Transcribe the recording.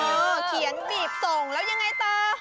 เออเขียนบีบส่งแล้วยังไงเตอร์